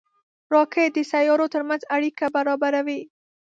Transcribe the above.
راکټ د سیارو ترمنځ اړیکه برابروي